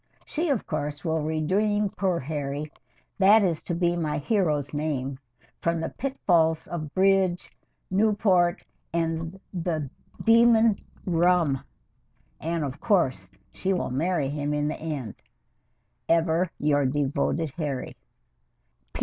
She, of course, will redeem poor Harry that is to be my hero's name from the pitfalls of bridge, Newport, and the demon Rum. And, of course, she will marry him in the end. Ever your devoted HARRY.